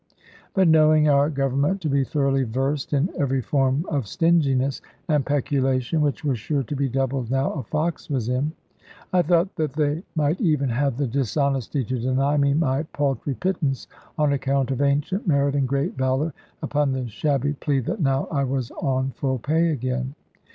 But knowing our Government to be thoroughly versed in every form of stinginess and peculation (which was sure to be doubled now a Fox was in), I thought that they might even have the dishonesty to deny me my paltry pittance on account of ancient merit and great valour, upon the shabby plea that now I was on full pay again!